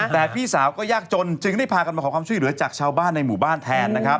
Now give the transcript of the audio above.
แต่พี่สาวก็ยากจนจึงได้พากันมาขอความช่วยเหลือจากชาวบ้านในหมู่บ้านแทนนะครับ